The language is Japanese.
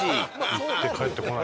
行って帰ってこない。